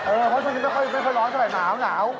เออเพราะฉะนั้นไม่ค่อยร้อนแต่หนาว